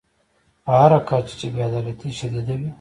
په هر کچه چې بې عدالتي شدیده وي.